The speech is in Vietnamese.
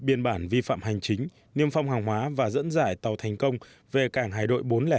biên bản vi phạm hành chính niêm phong hàng hóa và dẫn dải tàu thành công về cảng hải đội bốn trăm linh hai